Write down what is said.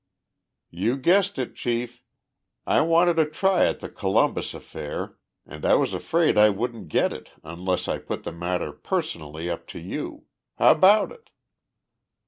"You guessed it, Chief. I wanted a try at the Columbus affair and I was afraid I wouldn't get it unless I put the matter personally up to you. How 'bout it?"